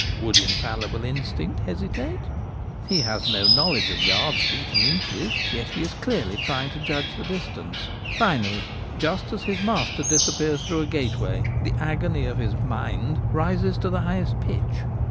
Would infallible instinct hesitate ? He has no Mental Power of A nimals. 9 3 knowledge of yards, feet and inches — yet he is clearly trying to judge the distance. Finally, just as his master disappears through a gateway, the agony of his * mind ' rises to the highest pitch.